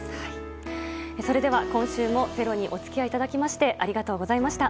それでは今週も「ｚｅｒｏ」にお付き合いいただきありがとうございました。